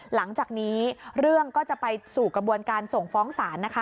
หลังจากนี้เรื่องก็จะไปสู่กระบวนการส่งฟ้องศาลนะคะ